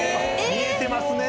見えてますね